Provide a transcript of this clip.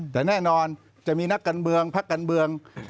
แต่แน่นอนจะมีนักการเมืองพักการเมือง